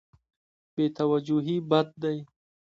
بې توجهي بد دی.